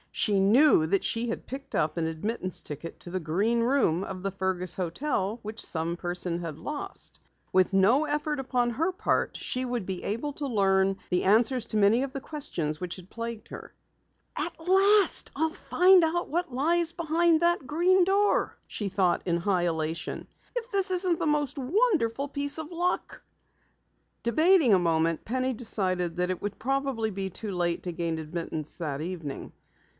She knew that she had picked up an admittance ticket to the Green Room of the Fergus hotel which some person had lost. With no effort upon her part she would be able to learn the answer to many of the questions which had plagued her. "At last I'll find out what lies behind that Green Door," she thought in high elation. "If this isn't the most wonderful piece of luck!" Debating a moment, Penny decided that it probably was too late to gain admittance that evening. Mrs.